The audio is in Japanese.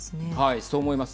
そう思います。